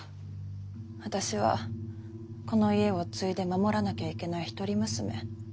私はこの家を継いで守らなきゃいけないひとり娘。